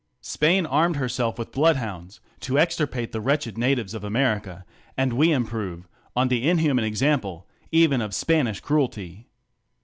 Spain armed herself with blood hounds, to extirpate the wretched natives of America ; and wc improve on the inhuman example even of Spanish cruelty.